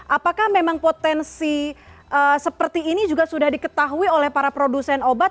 apakah memang potensi seperti ini juga sudah diketahui oleh para produsen obat